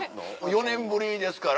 ４年ぶりですから。